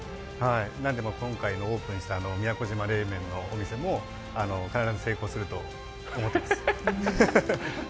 何でも今回オープンした宮古島冷麺のお店も必ず成功すると思っています。